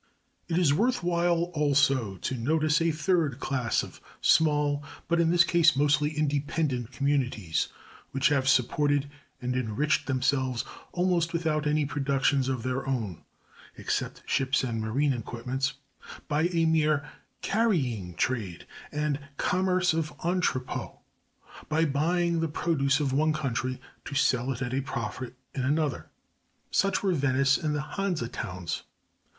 It is worth while also to notice a third class of small, but in this case mostly independent communities, which have supported and enriched themselves almost without any productions of their own (except ships and marine equipments), by a mere carrying trade, and commerce of entrepot; by buying the produce of one country, to sell it at a profit in another. Such were Venice and the Hanse Towns.